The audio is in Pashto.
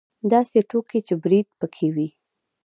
داسې ټوکې چې برید پکې وي.